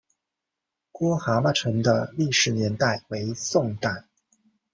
郭蛤蟆城的历史年代为宋代。